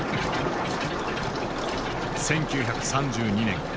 １９３２年。